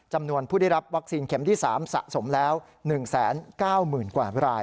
จำนวนผู้ได้รับวัคซีนเข็มที่๓สะสมแล้ว๑๙๐๐๐กว่าราย